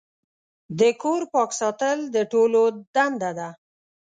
د کور پاک ساتل د ټولو دنده ده.